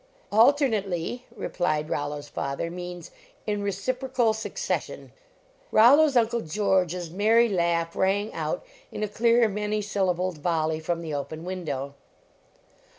"Alternately," replied Rollo s father, " means in reciprocal succession. Rollo s Uncle George . merry laugh rang out in a clear, many syllabled volley from the open window.